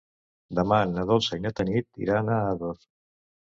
Demà na Dolça i na Tanit iran a Ador.